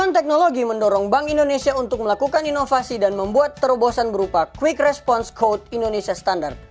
perusahaan teknologi mendorong bank indonesia untuk melakukan inovasi dan membuat terobosan berupa quick response code indonesia standard